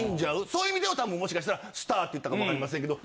そういう意味では多分もしかしたらスターって言ったかもわかりませんけど。